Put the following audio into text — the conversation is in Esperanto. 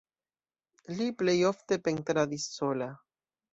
Li plej ofte pentradis sola.